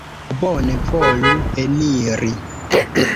Bone, volu eniri.